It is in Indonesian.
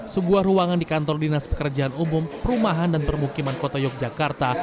sebuah ruangan di kantor dinas pekerjaan umum perumahan dan permukiman kota yogyakarta